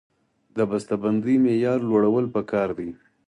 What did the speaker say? د بسته بندۍ معیار لوړول پکار دي